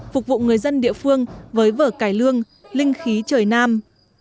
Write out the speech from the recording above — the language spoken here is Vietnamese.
phục vụ người dân địa phương với vở cải lương linh khí trời nam